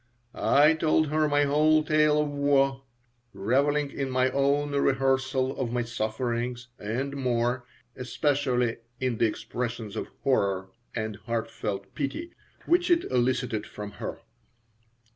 I told her my whole tale of woe, reveling in my own rehearsal of my sufferings and more especially in the expressions of horror and heartfelt pity which it elicited from her.